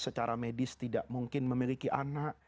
secara medis tidak mungkin memiliki anak